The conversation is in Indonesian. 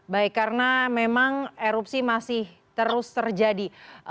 baik karena memang erupsi masih terus terjadi